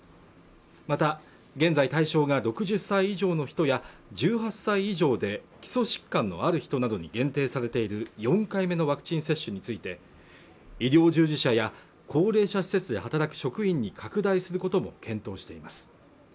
また現在対象が６０歳以上の人や１８歳以上で基礎疾患のある人などに限定されている４回目のワクチン接種について医療従事者や高齢者施設で働く職員に拡大することも検討しています